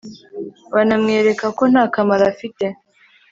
banamwereka ko nta kamaro afite